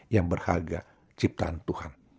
yang berharga ciptaan tuhan